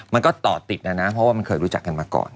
มันก็ต่อติดนะนะเพราะว่ามันเคยรู้จักกันมาก่อน